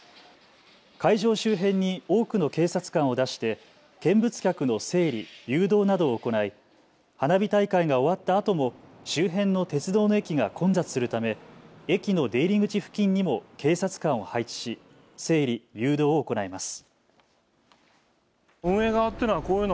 会場周辺に多くの警察官を出して見物客の整理・誘導などを行い、花火大会が終わったあとも周辺の鉄道の駅が混雑するため駅の出入り口付近にも警察官を配置し整理・誘導を行います。